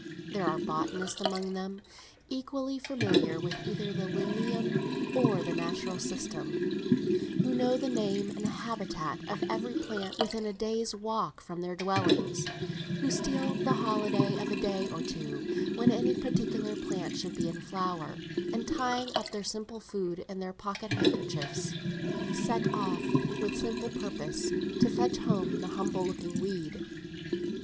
There are botanists among them, equally familiar with either the Linnæan or the Natural system, who know the name and habitat of every plant within a day's walk from their dwellings; who steal the holiday of a day or two when any particular plant should be in flower, and tying up their simple food in their pocket handkerchiefs, set off with single purpose to fetch home the humble looking weed.